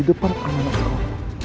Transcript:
ide pertama anak saya